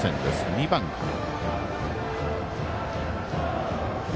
２番から。